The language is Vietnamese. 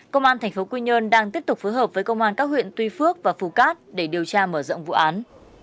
công an tp quy nhơn đang tiếp tục phối hợp với công an các huyện tuy phước và phú cát để điều tra mở rộng vụ án